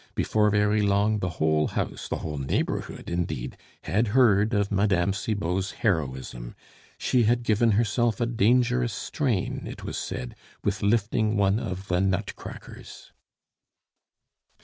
Before very long the whole house, the whole neighborhood indeed, had heard of Mme. Cibot's heroism; she had given herself a dangerous strain, it was said, with lifting one of the "nutcrackers."